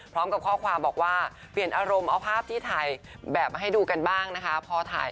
พร้อมกับข้อความบอกว่าเปลี่ยนอารมณ์เอาภาพที่ถ่ายแบบมาให้ดูกันบ้างนะคะ